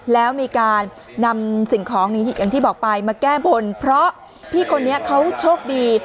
แล้วมีการนำสิ่งของนี้อย่างที่บอกไปมาแก้บนเพราะพี่คนนี้เขาโชคดี